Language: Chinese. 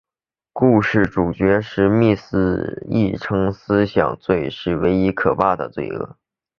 故事主角史密斯亦称思想罪是唯一可怕的罪恶。